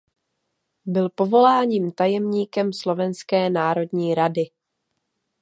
Byl povoláním tajemníkem Slovenské národní rady.